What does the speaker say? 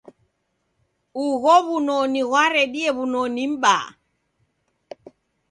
Ugho w'unoni ghwaredie w'unoni m'baa.